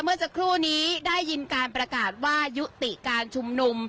เมื่อสักครู่นี้ได้ยินการประกาศว่ายุติการชุมนุม